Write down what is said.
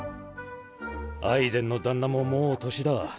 アイゼンの旦那ももう年だ。